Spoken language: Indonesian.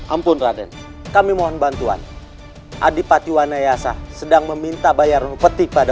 ampun raden kami mohon bantuan adipatiwa nayasa sedang meminta bayaran petik pada